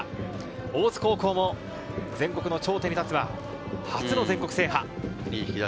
大津高校も全国の頂点に立てば、初の全国制覇。